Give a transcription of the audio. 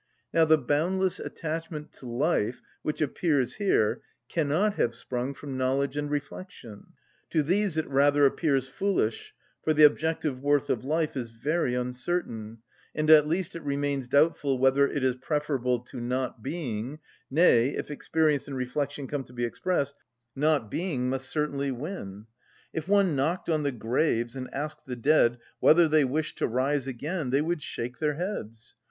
Now the boundless attachment to life which appears here cannot have sprung from knowledge and reflection; to these it rather appears foolish, for the objective worth of life is very uncertain, and at least it remains doubtful whether it is preferable to not being, nay, if experience and reflection come to be expressed, not being must certainly win. If one knocked on the graves, and asked the dead whether they wished to rise again, they would shake their heads.